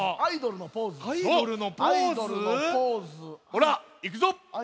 ほらいくぞ。